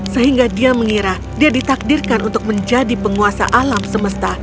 sehingga dia mengira dia ditakdirkan untuk menjadi penguasa alam semesta